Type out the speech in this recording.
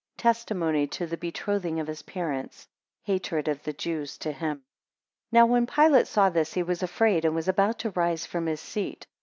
12 Testimony to the betrothing of his parents. 15 Hatred of the Jews to him. NOW when Pilate saw this, he was afraid, and was about to rise from his seat.